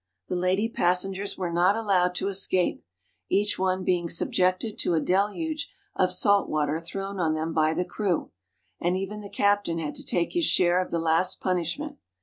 The lady passengers were not allowed to escape, each one being subjected to a deluge of salt water thrown on them by the crew, and even the captain had to take his share of the last punishment.